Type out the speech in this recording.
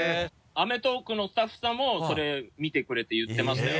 「アメトーーク！」のスタッフさんもそれ見てくれて言ってましたよ。